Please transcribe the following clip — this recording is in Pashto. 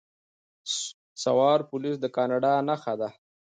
سوار پولیس د کاناډا نښه ده.